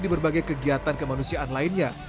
di berbagai kegiatan kemanusiaan lainnya